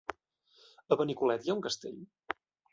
A Benicolet hi ha un castell?